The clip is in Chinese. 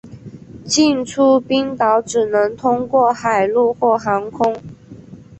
进出冰岛只能通过海路或航空。